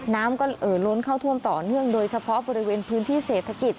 น้ำก็เอ่อล้นเข้าท่วมต่อเนื่องโดยเฉพาะบริเวณพื้นที่เศรษฐกิจ